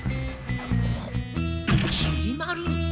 きり丸？